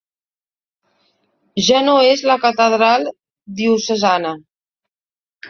Ja no és la catedral diocesana.